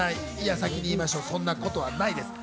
先に言いましょう、そんなことはないです。